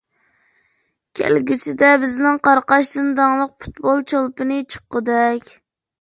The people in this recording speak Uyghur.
كەلگۈسىدە بىزنىڭ قاراقاشتىن داڭلىق پۇتبول چولپىنى چىققۇدەك.